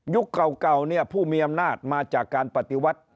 เก่าเนี่ยผู้มีอำนาจมาจากการปฏิวัติ